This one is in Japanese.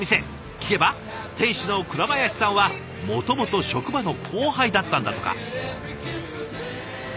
聞けば店主の倉林さんはもともと職場の後輩だったんだとか。